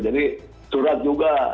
jadi surat juga